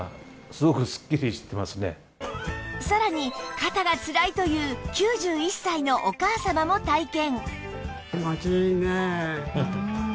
さらに肩がつらいという９１歳のお母様も体験